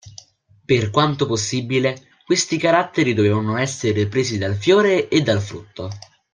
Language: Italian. Per quanto possibile, questi caratteri dovevano essere presi dal fiore e dal frutto.